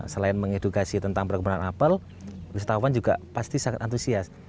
selain mengedukasi tentang perkembangan apel wisatawan juga pasti sangat antusias